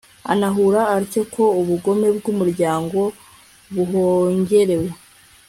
ahanura atyo ko ubugome bw'umuryango buhongerewe